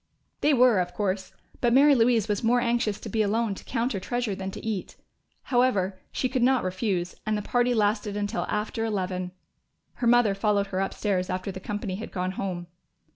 They were, of course; but Mary Louise was more anxious to be alone to count her treasure than to eat. However, she could not refuse, and the party lasted until after eleven. Her mother followed her upstairs after the company had gone home.